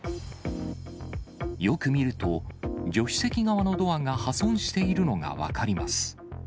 よく見ると、助手席側のドアが破損しているのが分かります。